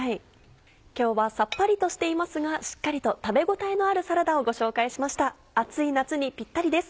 今日はさっぱりとしていますがしっかりと食べ応えのあるサラダをご紹介しました暑い夏にぴったりです。